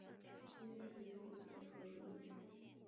现兼无线电视基本艺人合约艺人。